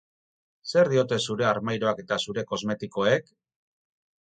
Zer diote zure armairuak eta zure kosmetikoek?